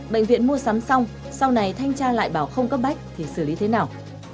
bệnh viện mua sắm xong sau này thanh tra lại bảo không cấp bách thì xử lý thế nào